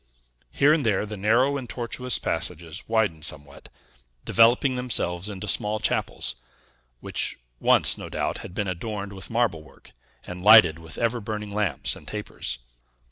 Here and there the narrow and tortuous passages widened somewhat, developing themselves into small chapels; which once, no doubt, had been adorned with marble work and lighted with ever burning lamps and tapers.